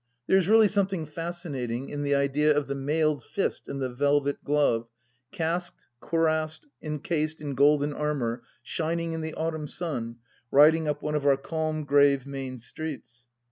There is really something fascinating in the idea of the Mailed Fist in the "Velvet Glove, casqued, cuirassed, encased in golden armour shining in the autumn sun, riding up one of our calm grave main streets.